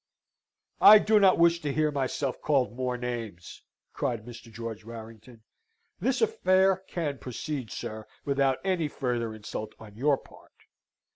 "I do not wish to hear myself called more names," cried Mr. George Warrington. "This affair can proceed, sir, without any further insult on your part.